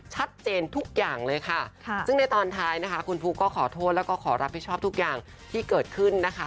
ชัดเจนทุกอย่างเลยค่ะซึ่งในตอนท้ายนะคะคุณฟุ๊กก็ขอโทษแล้วก็ขอรับผิดชอบทุกอย่างที่เกิดขึ้นนะคะ